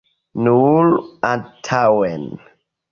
Nur antaŭen.